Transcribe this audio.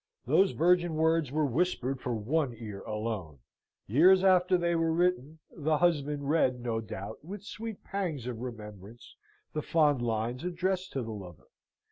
Those virgin words were whispered for one ear alone. Years after they were written, the husband read, no doubt, with sweet pangs of remembrance, the fond lines addressed to the lover.